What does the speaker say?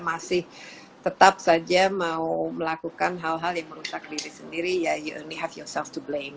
masih tetap saja mau melakukan hal hal yang merusak diri sendiri ya ini hasil satu blank